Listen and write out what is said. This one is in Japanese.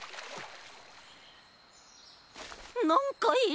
なんかいる！